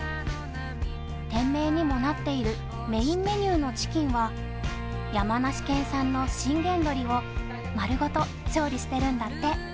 店名にもなっているメインメニューのチキンは山梨県産の信玄どりをまるごと調理しているんだって。